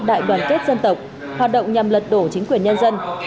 đại đoàn kết dân tộc hoạt động nhằm lật đổ chính quyền nhân dân